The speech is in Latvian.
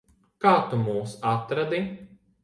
Kā tu mūs atradi?